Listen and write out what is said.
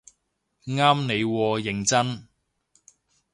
啱你喎認真